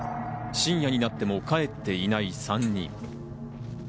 深夜になっても帰っていない３人。